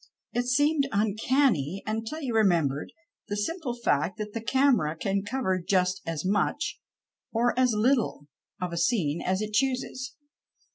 It seemed uncanny, until you remembered the simple fact that llic camera can 217 PASTICHE AND PREJUDICE cover just as much, or as little, of a scene as it chooses.